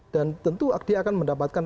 dan tentu dia akan mendapatkan